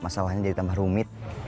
masalahnya jadi tambah rumit